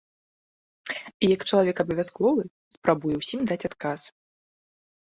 І як чалавек абавязковы, спрабуе ўсім даць адказ.